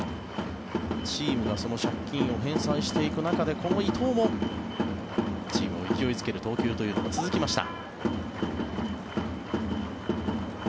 チームはその借金を返済していく中でこの伊藤も、チームを勢い付ける投球が続きました。